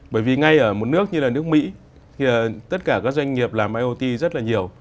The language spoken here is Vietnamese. bởi vì ngay ở một nước như là nước mỹ thì tất cả các doanh nghiệp làm iot rất là nhiều